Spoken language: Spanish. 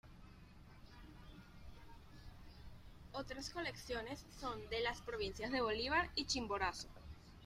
Otras colecciones son de las provincias de Bolívar y Chimborazo.